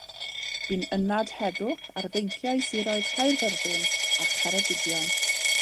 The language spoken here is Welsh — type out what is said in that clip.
Bu'n ynad heddwch ar feinciau siroedd Caerfyrddin a Cheredigion.